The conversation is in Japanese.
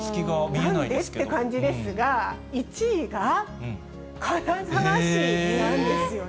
なんでって感じですが、１位が金沢市なんですよね。